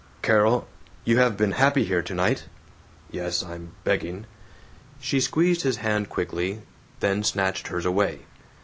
"Carol! You have been happy here tonight? (Yes. I'm begging!)" She squeezed his hand quickly, then snatched hers away.